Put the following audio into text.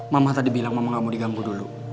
mama tadi bilang mama gak mau diganggu dulu